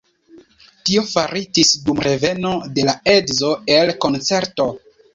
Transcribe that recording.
Tio faritis dum reveno de la edzo el koncerto.